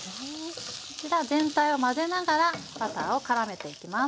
こちら全体を混ぜながらバターをからめていきます。